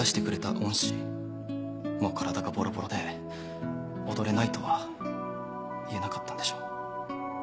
もう体がボロボロで踊れないとは言えなかったんでしょう。